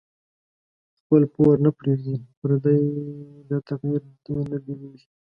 خپل پور نه پریږدی پردی، داتقدیر دی نه بیلیږی